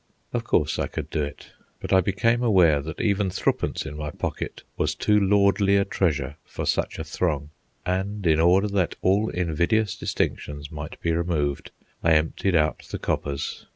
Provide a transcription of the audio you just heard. Of course I could do it, but I became aware that even thru'pence in my pocket was too lordly a treasure for such a throng; and, in order that all invidious distinctions might be removed, I emptied out the coppers.